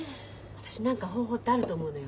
私何か方法ってあると思うのよ。